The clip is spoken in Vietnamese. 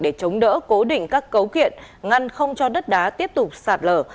để chống đỡ cố định các cấu kiện ngăn không cho đất đá tiếp tục sạt lở